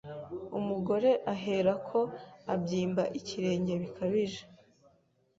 umugore ahera ko abyimba ikirenge bikabije